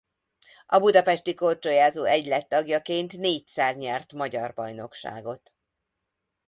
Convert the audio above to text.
A Budapesti Korcsolyázó Egylet tagjaként négyszer nyert magyar bajnokságot.